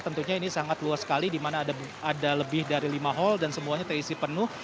tentunya ini sangat luas sekali di mana ada lebih dari lima hall dan semuanya terisi penuh